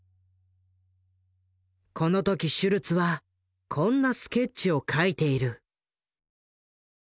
この時シュルツはこんなスケッチを描いている。